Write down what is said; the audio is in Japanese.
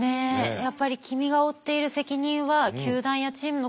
やっぱり「君が負っている責任は球団やチームのことだけじゃない。